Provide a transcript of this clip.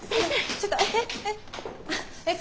ちょっとえっ？